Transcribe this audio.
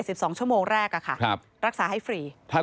พบหน้าลูกแบบเป็นร่างไร้วิญญาณ